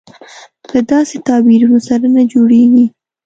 له داسې تعبیرونو سره نه جوړېږي.